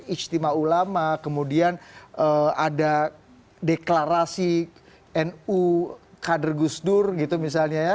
istimewa ulama kemudian ada deklarasi nu kader gusdur gitu misalnya ya